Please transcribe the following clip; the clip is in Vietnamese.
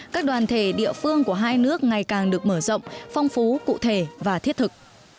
các đoàn thể địa phương của hai nước ngày càng được mở rộng phong phú cụ thể và thiết thực